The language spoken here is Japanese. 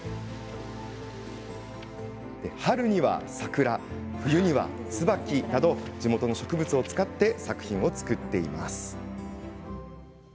春には桜、冬には椿など地元の植物を使って作品を作っています。